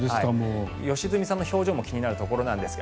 良純さんの表情も気になるところなんです。